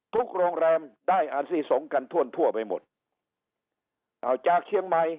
โรงแรมได้อาศิสงกันทั่วไปหมดเอาจากเชียงใหม่